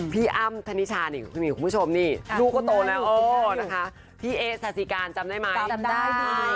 พี่อ้ำธนิชาคุณผู้ชมนี่ลูกก็โตแล้วพี่เอสศาสิการจำได้ไหม